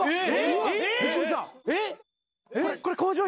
えっ！？